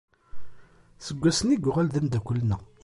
Seg wassen i yuɣal d ameddakel nneɣ.